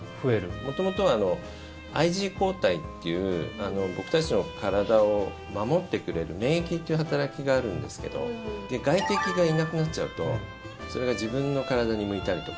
元々はＩｇＥ抗体っていう僕たちの体を守ってくれる免疫っていう働きがあるんですけど外敵がいなくなっちゃうとそれが自分の体に向いたりとか。